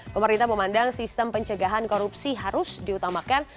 pemerintah memandang sistem pencegahan korupsi harus diutamakan